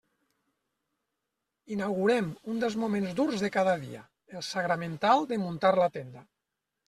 Inaugurem un dels moments durs de cada dia: el sagramental de muntar la tenda.